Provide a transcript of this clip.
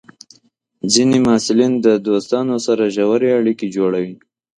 ځینې محصلین د دوستانو سره ژورې اړیکې جوړوي.